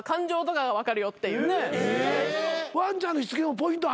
ワンちゃんのしつけポイントあんの？